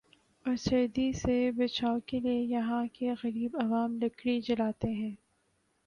اور سردی سے بچائو کے لئے یہاں کے غریب عوام لکڑی جلاتے ہیں ۔